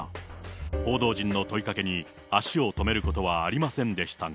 報道陣の問いかけに足を止めることはありませんでしたが。